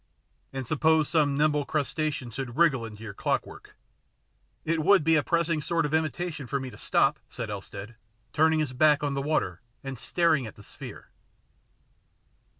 " And suppose some nimble crustacean should wriggle into your clockwork " "It would be a pressing sort of invitation for me to stop," said Elstead, turning his back on the water and staring at the sphere.